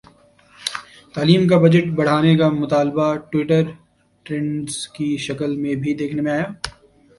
تعلیم کا بجٹ بڑھانے کا مطالبہ ٹوئٹر ٹرینڈز کی شکل میں بھی دیکھنے میں آیا